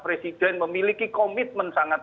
presiden memiliki komitmen sangat